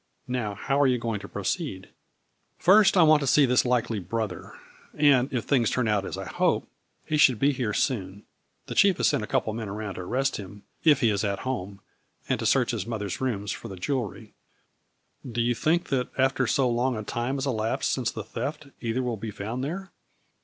" Now, how are you going to pro ceed ?"" First, I want to see this likely brother, and, if things turn out as I hope, he should be here 80 A FLURRY IN DIAMONDS. very soon. The chief has sent a couple of men around to arrest him, if he is at home, and to search his mother's rooms for the jewelry." " Do you think, that, after so long a time has elapsed since the theft, either will be found there